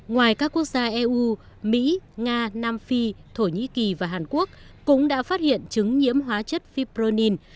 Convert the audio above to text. ngoài các quốc gia eu mỹ nga nam phi thổ nhĩ kỳ và hàn quốc cũng đã phát hiện chứng nhiễm hóa chất fiproin